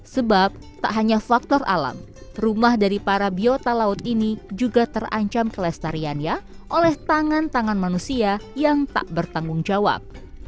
sebab tak hanya faktor alam rumah dari para biota laut ini juga terancam kelestariannya oleh tangan tangan manusia yang tak bertanggung jawab